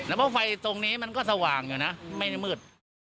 แต่ว่าไฟตรงนี้มันก็สว่างอยู่นะไม่มืด